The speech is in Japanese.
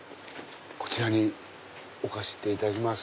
こちらに置かせていただきます。